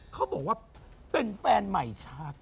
เขาบอกว่าเป็นแฟนใหม่ชัด